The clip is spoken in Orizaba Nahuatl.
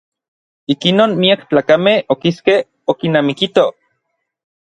Ikinon miak tlakamej okiskej okinamikitoj.